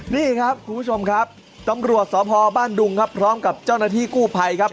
นี่ครับคุณผู้ชมครับตำรวจสพบ้านดุงครับพร้อมกับเจ้าหน้าที่กู้ภัยครับ